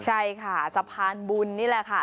ใช่ค่ะสะพานบุญนี่แหละค่ะ